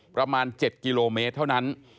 ประมาณ๗กิโลเมตรเท่านั้น